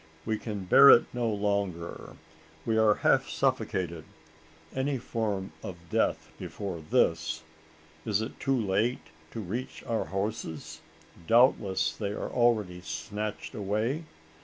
We can bear it no longer; we are half suffocated. Any form of death before this! Is it too late to reach our horses? Doubtless, they are already snatched away?